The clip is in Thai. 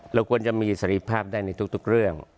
เราควรจะมีสรีภาพได้ในทุกเรื่อง